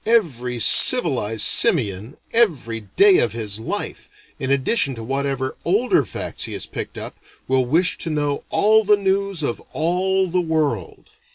Every civilized simian, every day of his life, in addition to whatever older facts he has picked up, will wish to know all the news of all the world.